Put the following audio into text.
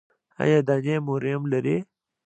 ایا دانې مو ریم لري؟